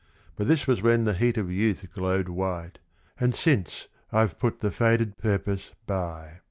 But this was when the heat of youth glowed white, And since I've put the faded purpose by.